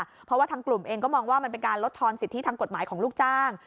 เพราะว่าทางกลุ่มเองก็มองว่ามันเป็นการลดทอนสิทธิทางกฎหมายของลูกจ้าง